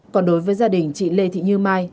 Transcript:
còn đối với gia đình chị lê thị như mai